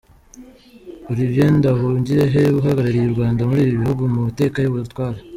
Olivier Nduhungirehe uhagarariye u Rwanda muri ibi bihugu ku mateka y’ubutwari.